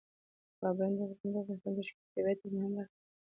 پابندي غرونه د افغانستان د ښکلي طبیعت یوه مهمه برخه ده.